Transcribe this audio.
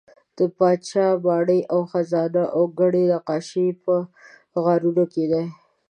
د پاچا ماڼۍ او خزانه او ګڼې نقاشۍ په غارونو کې دي.